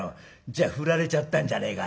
じゃあフラれちゃったんじゃねえかよ」。